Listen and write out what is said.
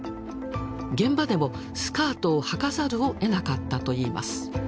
現場でもスカートをはかざるをえなかったといいます。